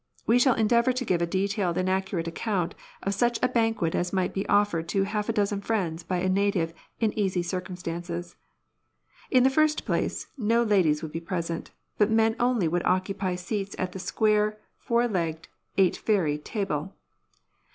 We shall endeavour to give a detailed and accurate account of such a banquet as might be offered to half a dozen friends by a native in easy circumstances. In the first place, no ladies would be present, but men only would occupy seats at the square, four legged, "eight fairy" table.